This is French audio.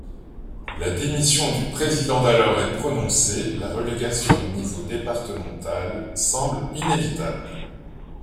La démission du président d'alors est prononcée, la relégation au niveau départemental semble inévitable.